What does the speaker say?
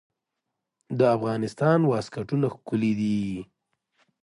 د افغانستان واسکټونه ښکلي دي